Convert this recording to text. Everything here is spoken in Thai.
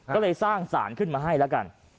ก็เลยสร้างสารขึ้นมาให้แล้วกัน